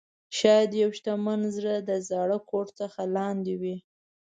شاید یو شتمن زړه د زاړه کوټ څخه لاندې وي.